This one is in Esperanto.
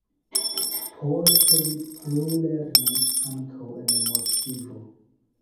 Poste li plulernis ankaŭ en Moskvo.